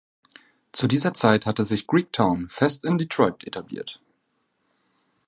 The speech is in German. Zu dieser Zeit hatte sich Greektown fest in Detroit etabliert.